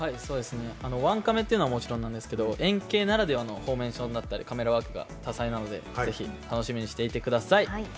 ワンカメっていうのはもちろんなんですけど円形ならではのフォーメーションだったりカメラワークが多彩なのでぜひ、楽しみにしていてください。